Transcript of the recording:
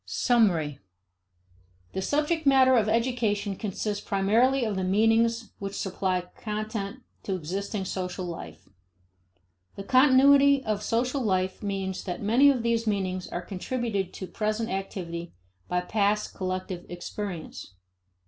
Summary. The subject matter of education consists primarily of the meanings which supply content to existing social life. The continuity of social life means that many of these meanings are contributed to present activity by past collective experience.